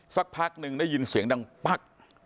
สักพักหนึ่งได้ยินเสียงดังปั๊ก